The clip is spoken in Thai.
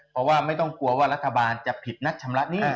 เพราะว่าไม่ต้องกลัวว่ารัฐบาลจะผิดนัดชำระหนี้